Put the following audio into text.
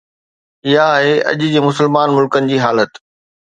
اها آهي اڄ جي مسلمان ملڪن جي حالت.